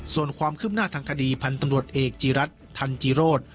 ส่วนความคืบหน้าทางคดีพันธ์ตำรวจเอกจีรัฐทันจีโรธ